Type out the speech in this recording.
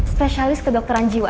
spesialis kedokteran jiwa